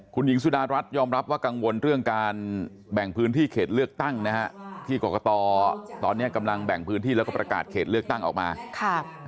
คุณหญิงสุดารัฐยอมรับว่ากังวลเรื่องการแบ่งพื้นที่เขตเลือกตั้งนะฮะที่กรกตตอนนี้กำลังแบ่งพื้นที่แล้วก็ประกาศเขตเลือกตั้งออกมาค่ะ